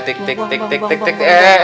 tik tik tik tik tik tik